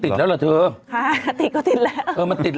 มันคงจะติดเล่าเหรอเธอ